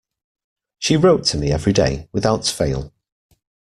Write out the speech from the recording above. She wrote to me every day, without fail.